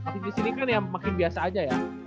tapi disini kan ya makin biasa aja ya